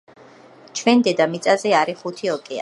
ჩვენ დედამიწაზე არი ხუთი ოკეანე